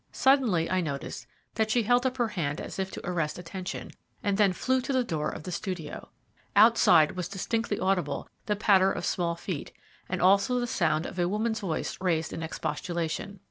Suddenly, I noticed that she held up her hand as if to arrest attention, and then flew to the door of the studio. Outside was distinctly audible the patter of small feet, and also the sound of a woman's voice raised in expostulation.